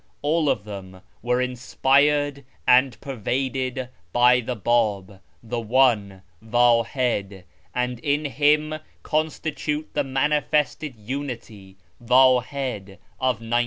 All of them were inspired and pervaded by the Bab, the One (Wdhid), and with him constitute the manifested Unity {Wdhid) of 19.